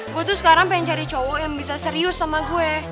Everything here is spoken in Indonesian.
gue tuh sekarang pengen cari cowok yang bisa serius sama gue